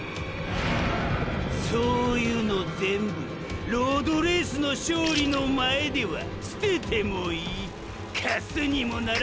そういうの全部ロードレースの勝利の前では捨ててもいいカスにもならんくぅだらないものやよ？